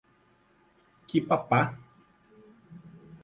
Quipapá